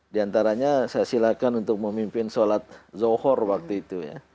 di antaranya saya silakan untuk memimpin sholat zuhur waktu itu ya